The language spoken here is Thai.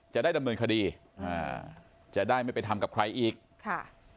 จะได้ดำเนินคดีอ่าจะได้ไม่ไปทำกับใครอีกค่ะ